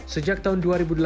sejak tahun dua ribu delapan